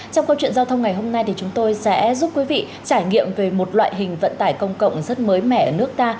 trong câu chuyện giao thông ngày hôm nay thì chúng tôi sẽ giúp quý vị trải nghiệm về một loại hình vận tải công cộng rất mới mẻ ở nước ta